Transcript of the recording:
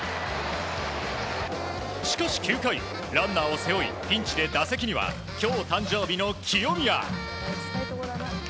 しかし９回、ランナーを背負いピンチで打席には今日、誕生日の清宮。